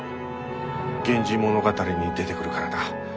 「源氏物語」に出てくるからだ。